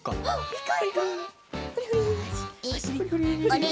あれ？